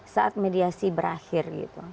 saat mediasi berakhir